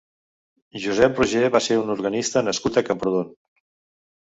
Josep Roger va ser un organista nascut a Camprodon.